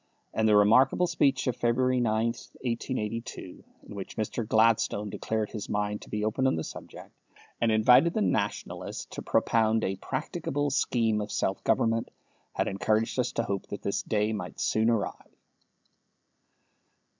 And the remarkable speech of February 9, 1882, in which Mr. Gladstone declared his mind to be open on the subject, and invited the Nationalists to propound a practicable scheme of self government, had encouraged us to hope that this day might soon arrive.